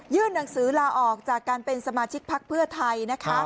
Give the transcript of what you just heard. ยื่นหนังสือลาออกจากการเป็นสมาชิกภักดิ์เพื่อไทย